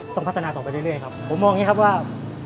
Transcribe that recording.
ต้องพัฒนาต่อไปเรื่อยครับผมมองแบบนี้ครับว่า